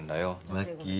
マッキー